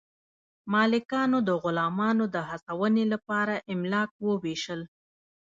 مالکانو د غلامانو د هڅونې لپاره املاک وویشل.